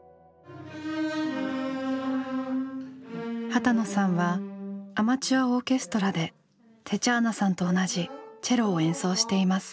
波多野さんはアマチュアオーケストラでテチャーナさんと同じチェロを演奏しています。